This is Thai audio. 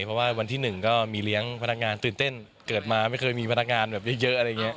เพราะว่าวันที่๑ก็มีเลี้ยงพนักงานตื่นเต้นเกิดมาไม่เคยมีพนักงานแบบเยอะอะไรอย่างนี้